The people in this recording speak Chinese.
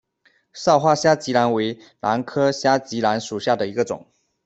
少花虾脊兰为兰科虾脊兰属下的一个种。